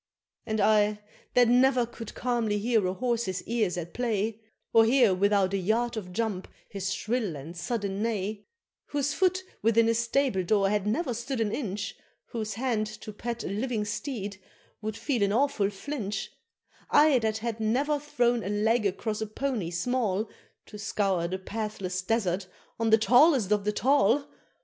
And I, that ne'er could calmly hear a horse's ears at play Or hear without a yard of jump his shrill and sudden neigh Whose foot within a stable door had never stood an inch Whose hand to pat a living steed would feel an awful flinch, I that had never thrown a leg across a pony small, To scour the pathless desert on the tallest of the tall!